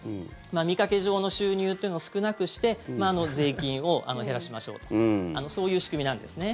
見かけ上の収入というのを少なくして税金を減らしましょうというそういう仕組みなんですね。